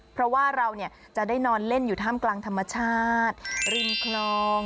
เพราะว่าเราจะได้นอนเล่นอยู่ท่ามกลางธรรมชาติริมคลอง